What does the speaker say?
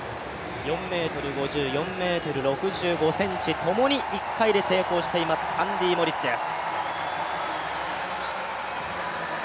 ４ｍ５０、４ｍ６５ｃｍ、ともに１回目で成功しています、サンディ・モリスです。